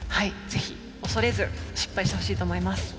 ぜひ恐れず失敗してほしいと思います。